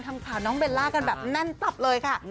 ทำข่าวน้องเบลล่ากันแบบแน่นตับเลยค่ะ